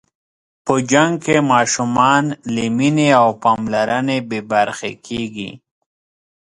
په جنګ کې ماشومان له مینې او پاملرنې بې برخې کېږي.